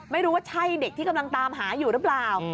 ไม่รู้ว่าใช่เด็กที่กำลังตามหาอยู่หรือเปล่า